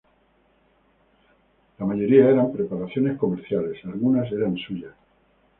La mayoría eran preparaciones comerciales, algunas eran suyas.